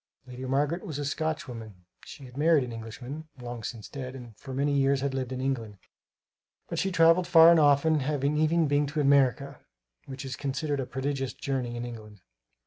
Lady Margaret was a Scotchwoman. She had married an Englishman (long since dead), and for many years had lived in England, but she travelled far and often, having even been to America, which is considered a prodigious journey in England.